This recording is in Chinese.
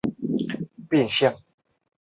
反派角色可能代表反派或对立角色。